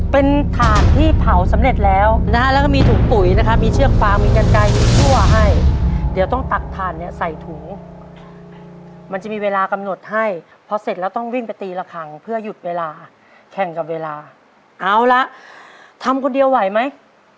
เป็นถ่านที่เผาสำเร็จแล้วนะฮะแล้วก็มีถุงปุ๋ยนะครับมีเชือกฟางมีกันไกลชั่วให้เดี๋ยวต้องตักถ่านเนี่ยใส่ถุงมันจะมีเวลากำหนดให้พอเสร็จแล้วต้องวิ่งไปตีละครั้งเพื่อหยุดเวลาแข่งกับเวลาเอาละทำคนเดียวไหวไหม